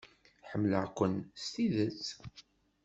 Ḥemmleɣ-ken s tidet.